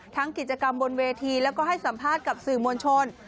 กิจกรรมบนเวทีแล้วก็ให้สัมภาษณ์กับสื่อมวลชน